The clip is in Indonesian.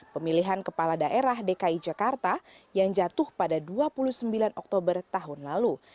pemilihan kepala daerah dki jakarta yang jatuh pada dua puluh sembilan oktober tahun lalu